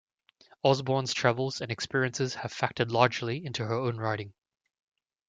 Osborne's travels and experiences have factored largely into her own writing.